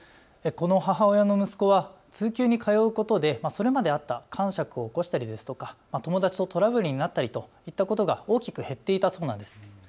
この母親の息子は通級に通うことでそれまであったかんしゃくを起こしたりですとか友達とトラブルになったりといったことが大きく減っていたそうなんです。